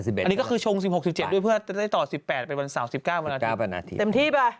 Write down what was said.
อันนี้ก็คือชง๑๖๑๗ด้วยเพื่อได้ต่อ๑๘ไปวันเสาร์๑๙วันอาทิตย์